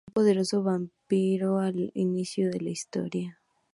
Un poderoso vampiro al inicio de la historia.